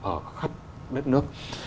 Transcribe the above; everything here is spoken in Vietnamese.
ở khắp đất nước